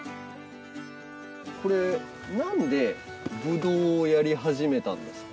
これなんでブドウをやり始めたんですか？